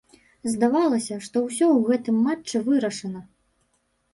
Здавалася, што ўсё ў гэтым матчы вырашана.